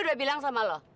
gue udah bilang sama lo